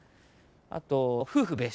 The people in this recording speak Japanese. あと夫婦別床。